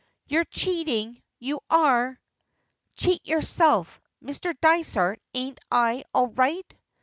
"You're cheating you are!" "Cheat yourself! Mr. Dysart, ain't I all right?"